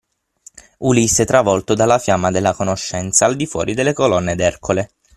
Ulisse travolto dalla fiamma della conoscenza al di fuori delle colonne d’Ercole.